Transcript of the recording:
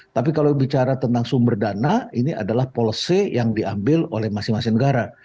tapi kalau bicara tentang sumber dana ini adalah policy yang diambil oleh masing masing negara